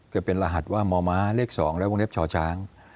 จะเป็นรหัสว่ามมเลข๒และวงเล็บช่อช้าง